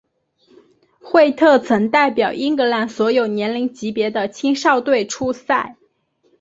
惠特曾代表英格兰所有年龄级别的青少队出赛。